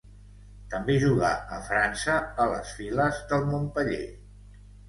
També jugà a França a les files del Montpeller.